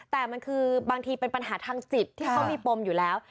แต่มันคือบางทีเป็นปัญหาทางจิตที่เขามีปมอยู่แล้ว